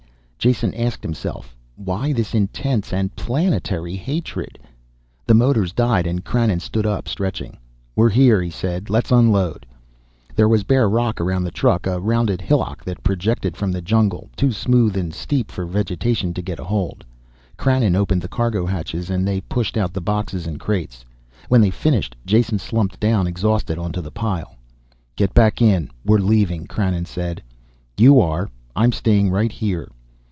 Jason asked himself. Why this intense and planetary hatred? The motors died and Krannon stood up, stretching. "We're here," he said. "Let's unload." There was bare rock around the truck, a rounded hillock that projected from the jungle, too smooth and steep for vegetation to get a hold. Krannon opened the cargo hatches and they pushed out the boxes and crates. When they finished Jason slumped down, exhausted, onto the pile. "Get back in, we're leaving," Krannon said. "You are, I'm staying right here."